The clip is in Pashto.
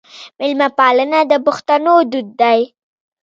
میلمه پالنه د پښتنو دود دی.